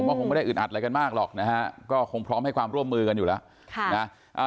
ก็คงไม่ได้อึดอัดอะไรกันมากหรอกนะฮะก็คงพร้อมให้ความร่วมมือกันอยู่แล้ว